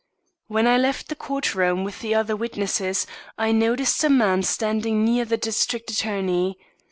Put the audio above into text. When I left the court room with the other witnesses, I noticed a man standing near the district attorney.